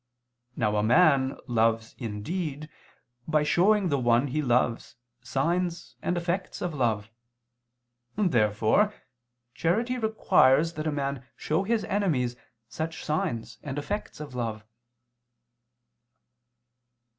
Now a man loves in deed by showing the one he loves signs and effects of love. Therefore charity requires that a man show his enemies such signs and effects of love.